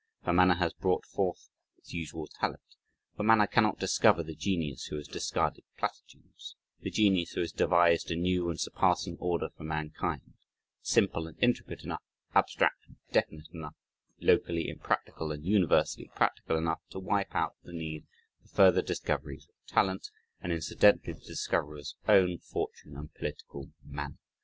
For manner has brought forth its usual talent; for manner cannot discover the genius who has discarded platitudes the genius who has devised a new and surpassing order for mankind, simple and intricate enough, abstract and definite enough, locally impractical and universally practical enough, to wipe out the need for further discoveries of "talent" and incidentally the discoverer's own fortune and political "manner."